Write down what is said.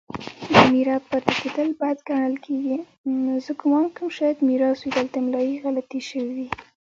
د میرات پاتې کیدل بد ګڼل کیږي.